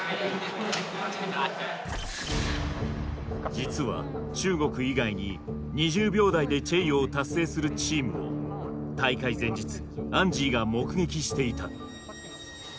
実は中国以外に２０秒台でチェイヨーを達成するチームを大会前日アンジーが目撃していた。